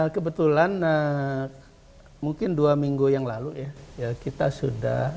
kebetulan mungkin dua minggu yang lalu ya kita sudah